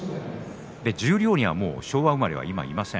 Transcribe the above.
十両には、もう昭和生まれは今、いません。